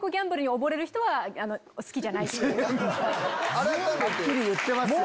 随分はっきり言ってますよね。